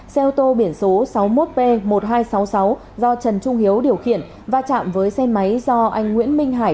xe ô tô biển số sáu mươi một p một nghìn hai trăm sáu mươi sáu do trần trung hiếu điều khiển và chạm với xe máy do anh nguyễn minh hải